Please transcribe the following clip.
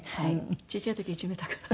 ちっちゃい時いじめたから。